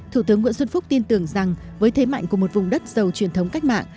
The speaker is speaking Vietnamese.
thủ tướng nguyễn xuân phúc tin tưởng rằng với thế mạnh của một vùng đất giàu truyền thống cách mạng